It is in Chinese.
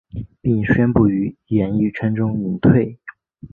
并宣布于演艺圈中隐退。